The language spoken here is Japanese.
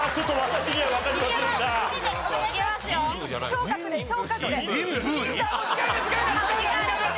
聴覚で聴覚で。